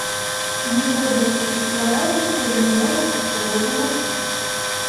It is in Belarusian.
Ніводны прафесіянал ніколі не можа быць свабодным ад гэтага.